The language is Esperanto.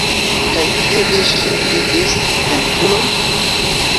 Kaj kie vi ŝin vidis, ventulo?